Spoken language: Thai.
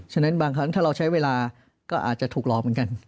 ฉะนั้นบางครั้งถ้าเราใช้เวลาก็อาจจะถูกหลอกเหมือนกัน